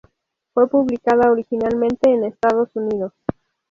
Fue publicada originalmente en Estados Unidos.